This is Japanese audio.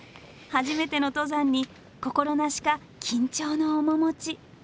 初めての登山に心なしか緊張の面持ち。